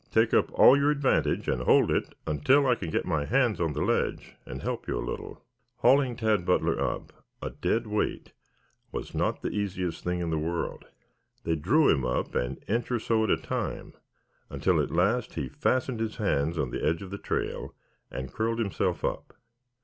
Take up all your advantage and hold it until I can get my hands on the ledge and help you a little." Hauling Tad Butler up, a dead weight, was not the easiest thing in the world. They drew him up an inch or so at a time, until at last he fastened his hands on the edge of the trail and curled himself up.